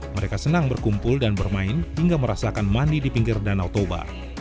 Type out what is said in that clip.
mereka senang berkumpul dan bermain hingga merasakan mandi di pinggir danau toba